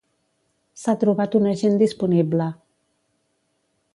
S'ha trobat un agent disponible.